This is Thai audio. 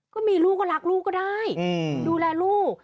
ก็มีลูกก็รักลูกก็ได้ดูแลลูก